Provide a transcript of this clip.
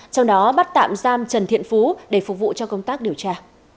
trong đó bắt tạm giam trần thiện phú để phục vụ cho công tác điều tra